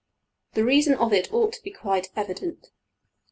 The reason of it ought to be quite evident.